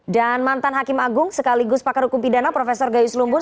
dan mantan hakim agung sekaligus pakar hukum pidana profesor gayus lumbur